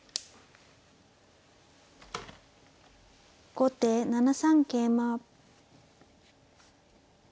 後手７三桂馬。